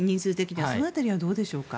その辺りはどうでしょうか。